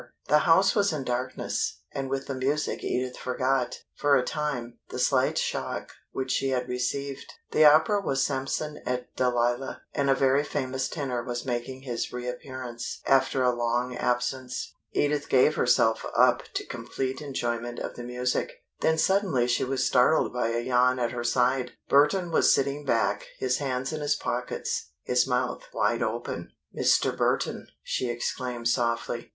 The house was in darkness, and with the music Edith forgot, for a time, the slight shock which she had received. The opera was Samson et Dalila, and a very famous tenor was making his reappearance after a long absence. Edith gave herself up to complete enjoyment of the music. Then suddenly she was startled by a yawn at her side. Burton was sitting back, his hands in his pockets, his mouth wide open. "Mr. Burton!" she exclaimed softly.